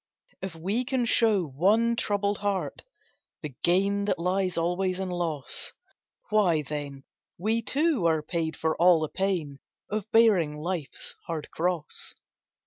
If we can show one troubled heart the gain That lies alway in loss, Why, then, we too are paid for all the pain Of bearing life's hard cross.